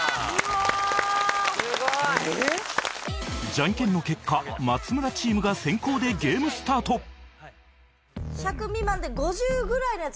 ジャンケンの結果松村チームが先攻でゲームスタート１００未満で５０ぐらいのやつを